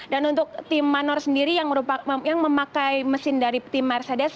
dan untuk tim manor sendiri yang memakai mesin dari tim mercedes